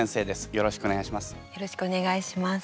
よろしくお願いします。